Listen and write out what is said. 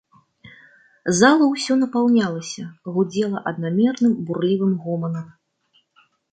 Зала ўсё напаўнялася, гудзела аднамерным бурлівым гоманам.